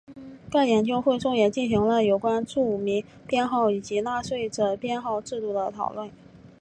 该研究会中也进行了有关住民编号以及纳税者编号制度的讨论。